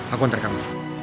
aku antar kamu